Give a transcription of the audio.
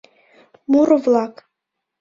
Муро-влак